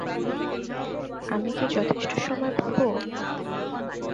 আমি কি যথেষ্ট সময় পাবো?